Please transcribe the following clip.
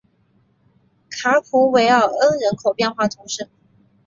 卡普韦尔恩人口变化图示